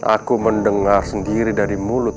aku mendengar sendiri dari mulut